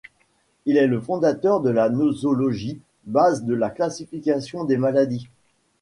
Il est le fondateur de la nosologie, base de la classification des maladies.